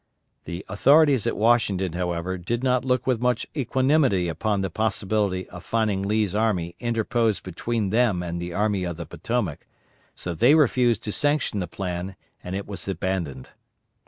The authorities at Washington, however, did not look with much equanimity upon the possibility of finding Lee's army interposed between them and the Army of the Potomac, so they refused to sanction the plan and it was abandoned.